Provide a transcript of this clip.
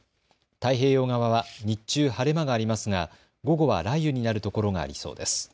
太平洋側は日中晴れ間がありますが午後は雷雨になるところがありそうです。